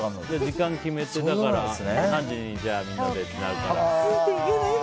時間決めて何時にみんなでってなるから。